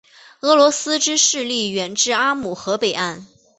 俄罗斯之势力远至阿姆河北岸。